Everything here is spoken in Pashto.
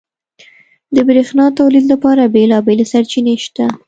• د برېښنا تولید لپاره بېلابېلې سرچینې شته.